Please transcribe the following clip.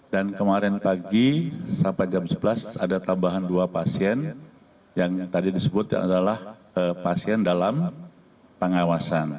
dan kemarin pagi sampai jam sebelas ada tambahan dua pasien yang tadi disebut yang adalah pasien dalam pengawasan